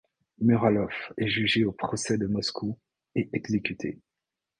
Muralov est jugé au Procès de Moscou et exécuté.